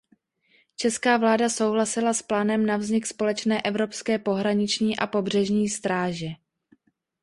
Česká vláda souhlasila s plánem na vznik společné evropské pohraniční a pobřežní stráže.